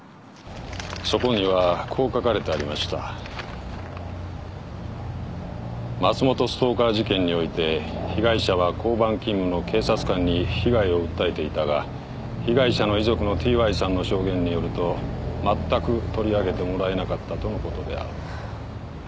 そこにはこう書かれてありました「松本ストーカー事件において被害者は交番勤務の警察官に被害を訴えていたが被害者の遺族のＴ・Ｙさんの証言によると全く取り上げてもらえなかったとのことである」